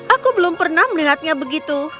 aku belum pernah melihatnya begitu